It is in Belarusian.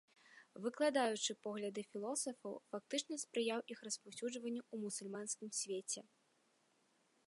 Выкладаючы погляды філосафаў, фактычна спрыяў іх распаўсюджванню ў мусульманскім свеце.